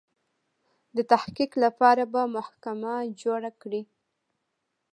د تحقیق لپاره به محکمه جوړه کړي.